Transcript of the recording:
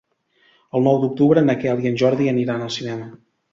El nou d'octubre en Quel i en Jordi aniran al cinema.